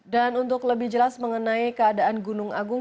dan untuk lebih jelas mengenai keadaan gunung agung